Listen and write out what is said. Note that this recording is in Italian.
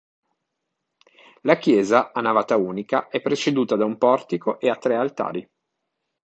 La chiesa, a navata unica, è preceduta da un portico e ha tre altari.